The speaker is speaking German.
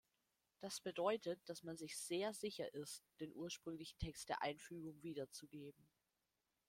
Das bedeutet, dass man sich „sehr sicher“ ist, den ursprünglichen Text der "Einfügung" wiederzugeben.